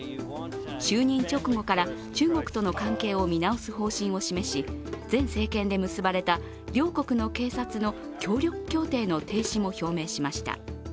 就任直後から中国との関係を見直す方針を示し前政権で結ばれた両国の警察の協力協定の停止も表明しました。